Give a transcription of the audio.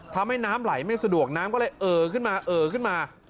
น้ำไหลไม่สะดวกน้ำก็เลยเอ่อขึ้นมาเอ่อขึ้นมา